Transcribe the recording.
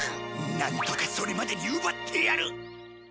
なんとかそれまでに奪ってやる！